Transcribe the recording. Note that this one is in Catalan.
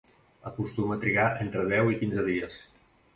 Acostuma a trigar entre deu i quinze dies.